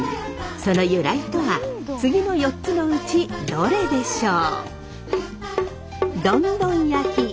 その由来とは次の４つのうちどれでしょう？